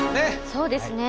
そうですね。